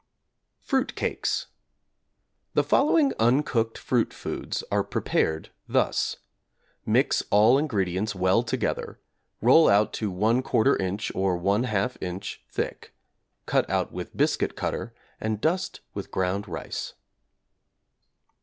FRUIT CAKES The following uncooked fruit foods are prepared thus: Mix all ingredients well together; roll out to 1/4 inch, or 1/2 inch, thick; cut out with biscuit cutter and dust with ground rice.